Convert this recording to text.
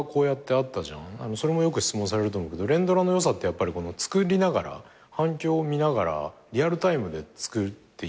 それもよく質問されると思うけど連ドラの良さってつくりながら反響を見ながらリアルタイムでつくっているじゃん。